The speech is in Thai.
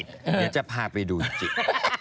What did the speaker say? เดี๋ยวจะพาไปดูจริง